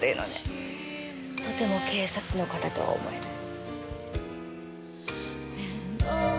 とても警察の方とは思えない。